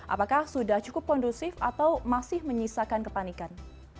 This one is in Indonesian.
apakah sudah cukup kondusif atau masih menyisakan kepanikan